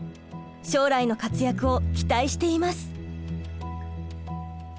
将来の活躍を期待しています！